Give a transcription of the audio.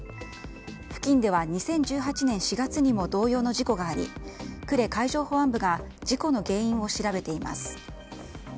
付近では２０１８年４月にも同様の事故があり呉海上保安部が事故の原因を調べています。